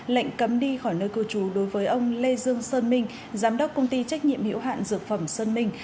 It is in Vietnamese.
lệnh cấm đi khỏi nơi cư trú đối với ông lê dương sơn minh giám đốc công ty trách nhiệm hiểu hạn dược phẩm sơn minh